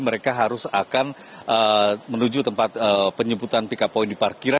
mereka harus akan menuju tempat penyebutan pika poin di parkir